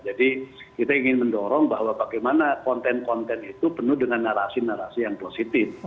jadi kita ingin mendorong bahwa bagaimana konten konten itu penuh dengan narasi narasi yang positif